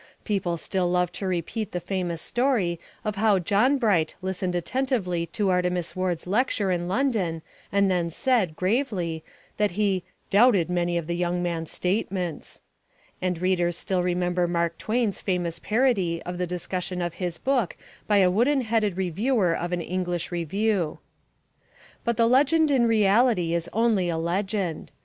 People still love to repeat the famous story of how John Bright listened attentively to Artemus Ward's lecture in London and then said, gravely, that he "doubted many of the young man's statements"; and readers still remember Mark Twain's famous parody of the discussion of his book by a wooden headed reviewer of an English review. But the legend in reality is only a legend.